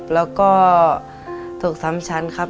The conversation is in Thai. แล้วก็ถูกซ้ำชั้นครับ